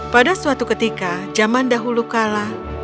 pada suatu ketika zaman dahulu kala